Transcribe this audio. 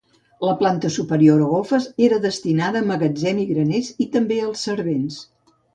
La planta superior o golfes, era destinada a magatzem i graners i també als servents.